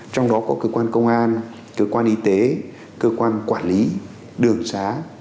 trong đó có cơ quan công an cơ quan y tế cơ quan quản lý đường xá